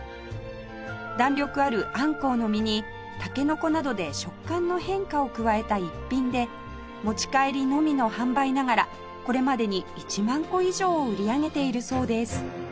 弾力あるあんこうの身にタケノコなどで食感の変化を加えた逸品で持ち帰りのみの販売ながらこれまでに１万個以上を売り上げているそうです